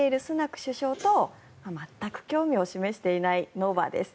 首相と全く興味を示していないノヴァです。